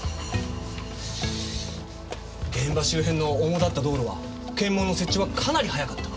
現場周辺の主だった道路は検問の設置はかなり早かった。